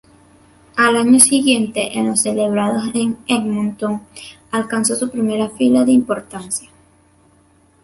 Al año siguiente en los celebrados en Edmonton, alcanzó su primera final de importancia.